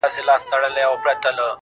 خو ده ويله چي په لاره کي خولگۍ نه غواړم~